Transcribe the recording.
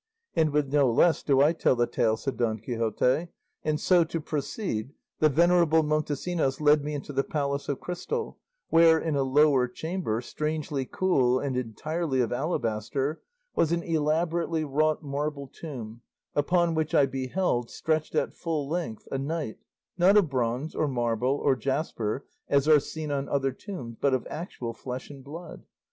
"And with no less do I tell the tale," said Don Quixote; "and so, to proceed the venerable Montesinos led me into the palace of crystal, where, in a lower chamber, strangely cool and entirely of alabaster, was an elaborately wrought marble tomb, upon which I beheld, stretched at full length, a knight, not of bronze, or marble, or jasper, as are seen on other tombs, but of actual flesh and bone.